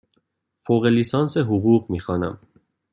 فوق لیسانس حقوق می خوانم.